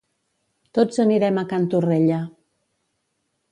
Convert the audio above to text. Tots anirem a Can Torrella.